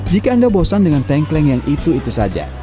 jika anda bosan dengan tengkleng yang itu itu saja